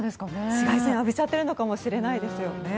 紫外線浴びちゃってるかもしれないですよね。